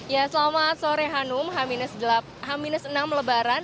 ya selamat sore hanum h enam lebaran